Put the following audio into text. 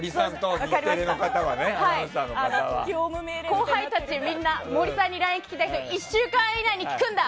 後輩たち、みんな森さんにＬＩＮＥを聞きたい人１週間以内に聞くんだ！